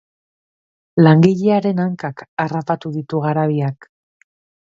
Langilearen hankak harrapatu ditu garabiak.